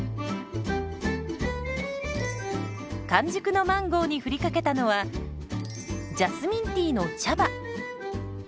完熟のマンゴーに振りかけたのはジャスミンティーの茶葉。